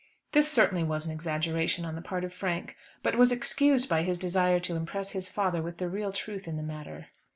This certainly was an exaggeration on the part of Frank, but was excused by his desire to impress his father with the real truth in the matter.